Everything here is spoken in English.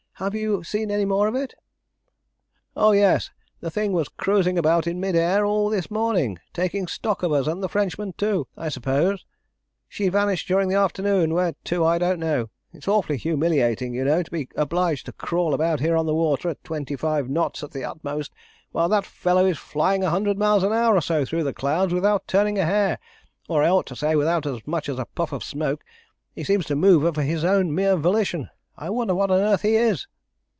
Have you seen any more of it?" "Oh yes; the thing was cruising about in mid air all this morning, taking stock of us and the Frenchmen too, I suppose. She vanished during the afternoon. Where to, I don't know. It's awfully humiliating, you know, to be obliged to crawl about here on the water, at twenty five knots at the utmost, while that fellow is flying a hundred miles an hour or so through the clouds without turning a hair, or I ought to say without as much as a puff of smoke. He seems to move of his own mere volition. I wonder what on earth he is."